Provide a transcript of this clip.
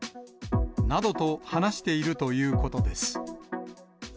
などと話しているということです。